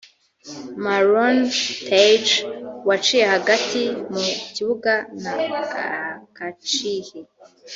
Marouane Tej waciye hagati mu kibuga na Akacihi